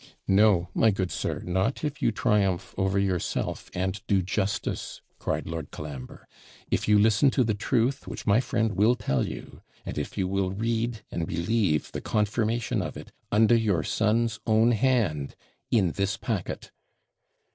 'No, my good sir, not if you triumph over yourself, and do justice,' cried Lord Colambre; 'if you listen to the truth, which my friend will tell you, and if you will read and believe the confirmation of it, under your son's own hand, in this packet.'